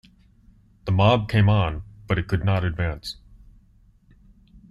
The mob came on, but it could not advance.